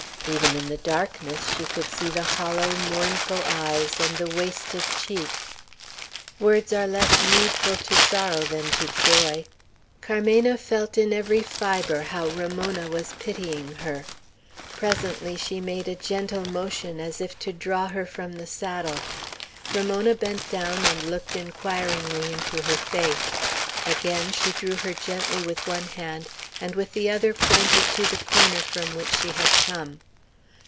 Even in the darkness she could see the hollow, mournful eyes and the wasted cheek. Words are less needful to sorrow than to joy. Carmena felt in every fibre how Ramona was pitying her. Presently she made a gentle motion, as if to draw her from the saddle. Ramona bent down and looked inquiringly into her face. Again she drew her gently with one hand, and with the other pointed to the corner from which she had come.